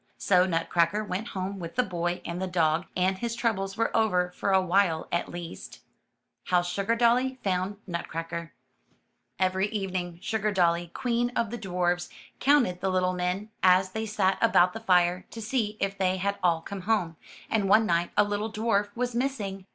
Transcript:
'' So Nut cracker went home with the boy and the dog, and his troubles were over for a while at least. 104 UP ONE PAIR OF STAIRS HOW SUGARDOLLY FOUND NUTCRACKER Every evening Sugardolly, Queen of the Dwarfs, counted the Httle men, as they sat about the fire, to see if they had all come home, and one night a little dwarf was missing.